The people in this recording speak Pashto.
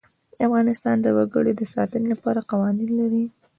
افغانستان د وګړي د ساتنې لپاره قوانین لري.